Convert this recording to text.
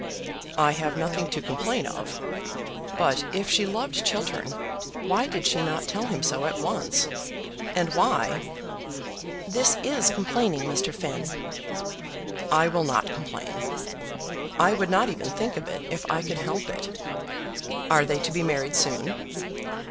"I have nothing to complain of. But if she loved Chiltern, why did she not tell him so at once? And why " "This is complaining, Mr. Finn." "I will not complain. I would not even think of it, if I could help it. Are they to be married soon?"